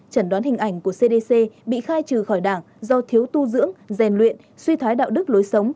chẩn đoán hình ảnh của cdc bị khai trừ khỏi đảng do thiếu tu dưỡng rèn luyện suy thoái đạo đức lối sống